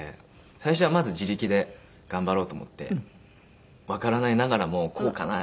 最初はまず自力で頑張ろうと思ってわからないながらもこうかな？